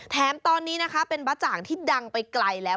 แถมตอนนี้นะคะเป็นบ๊ะจ่างที่ดังไปไกลแล้ว